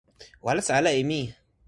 o alasa ala e mi!